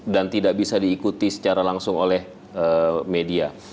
dan tidak bisa diikuti secara langsung oleh media